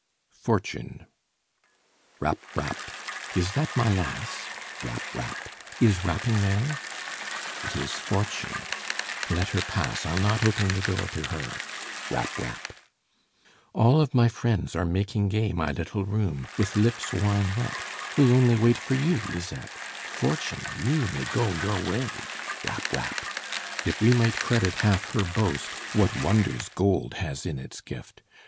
FORTUNE Rap! rap! Is that my lass Rap! rap! is rapping there? It is Fortune. Let her pass! I'll not open the door to her. Rap! rap! All of my friends are making gay My little room, with lips wine wet: We only wait for you, Lisette! Fortune! you may go your way. Rap! rap! If we might credit half her boast, What wonders gold has in its gift!